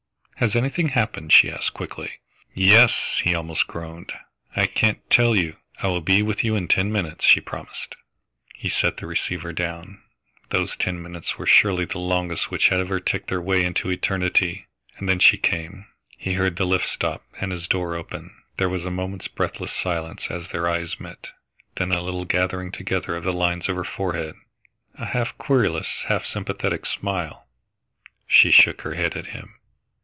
"Has anything happened?" she asked quickly. "Yes!" he almost groaned. "I can't tell you " "I will be with you in ten minutes," she promised. He set the receiver down. Those ten minutes were surely the longest which had ever ticked their way into Eternity! And then she came. He heard the lift stop and his door open. There was a moment's breathless silence as their eyes met, then a little gathering together of the lines of her forehead, a half querulous, half sympathetic smile. She shook her head at him.